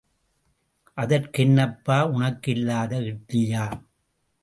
அதற்கென்னப்பா உனக்கில்லாத இட்லியா?